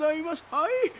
はい。